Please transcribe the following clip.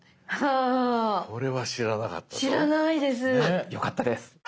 あっよかったです。